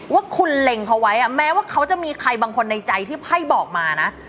ว่าคุณเล็งเขาไว้แม้ว่าเขาจะมีใครบางคนในใจที่ไพ่บอกมานะ